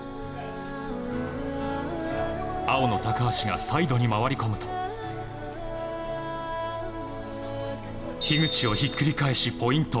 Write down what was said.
青の高橋がサイドに回り込むと樋口をひっくり返し、ポイント。